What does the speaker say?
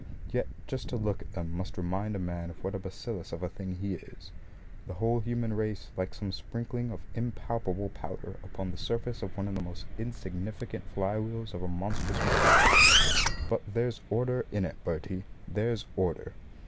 Yet just to look at them must remind a man of what a bacillus of a thing he is the whole human race like some sprinkling of impalpable powder upon the surface of one of the most insignificant fly wheels of a monstrous machine. But there's order in it, Bertie, there's order!